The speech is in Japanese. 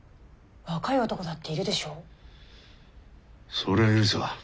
そりゃいるさ。